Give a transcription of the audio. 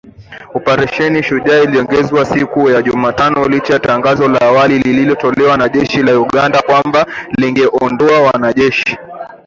Operesheni Shujaa iliongezwa siku ya Jumatano licha ya tangazo la awali lililotolewa na jeshi la Uganda kwamba lingeondoa wanajeshi .